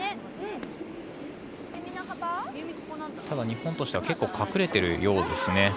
ただ日本としてはかなり隠れているようですね。